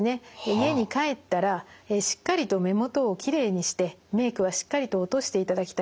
家に帰ったらしっかりと目元をきれいにしてメイクはしっかりと落としていただきたいと。